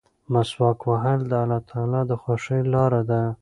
مسواک وهل د الله تعالی د خوښۍ لاره ده.